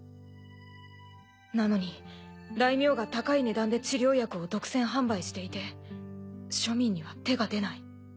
なのに大名が高い値段で治療薬を独占販売していて庶民には手が出ない。